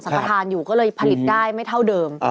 ประธานอยู่ก็เลยผลิตได้ไม่เท่าเดิม